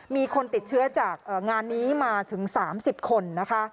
มีคนติดเชื้อจากงานนี้มาถึง๓๐คนนะคะ